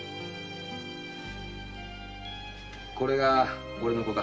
これがオレの子か。